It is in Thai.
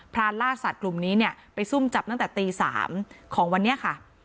รานล่าสัตว์กลุ่มนี้เนี่ยไปซุ่มจับตั้งแต่ตี๓ของวันนี้ค่ะ